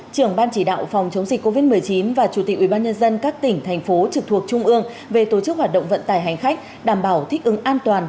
trưởng ban chỉ đạo phòng chống dịch covid một mươi chín và chủ tịch ubnd các tỉnh thành phố trực thuộc trung ương về tổ chức hoạt động vận tải hành khách đảm bảo thích ứng an toàn